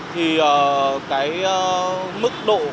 thì cái mức độ